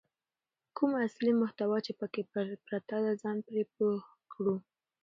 کومه اصلي محتوا چې پکې پرته ده ځان پرې پوه کړو.